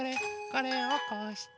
これをこうして。